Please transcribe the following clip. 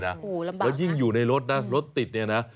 ระบากนะอย่างนิ่งอยู่รถนะรถติดนี่นะ